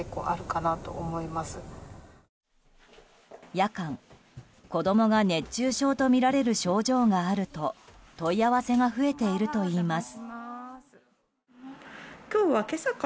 夜間、子供が熱中症とみられる症状があると問い合わせが増えているといいます。